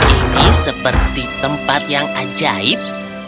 ini seperti tempat yang ajaib